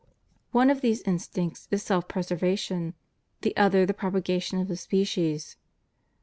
One of these instincts is self preservation, the other the propaga tion of the species.